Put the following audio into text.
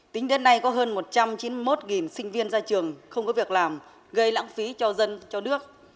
tính đến nay có hơn một trăm chín mươi một sinh viên ra trường không có việc làm gây lãng phí cho dân cho nước